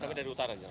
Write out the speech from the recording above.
kami dari utara